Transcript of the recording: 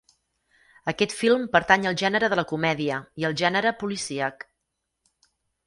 Aquest film pertany al gènere de la comèdia i al gènere policíac.